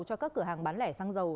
cho các cửa hàng bán lẻ xăng dầu